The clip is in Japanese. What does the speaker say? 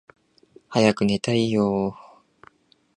早く寝たいよーー